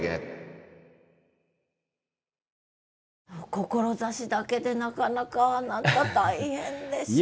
志だけでなかなかあなた大変でしょう。